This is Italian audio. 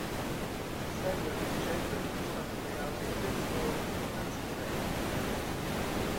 Segue le vicende di uno staff legale di Pittsburgh, in Pennsylvania.